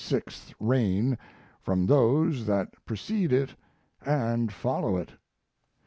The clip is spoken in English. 's reign from those that precede it and follow it.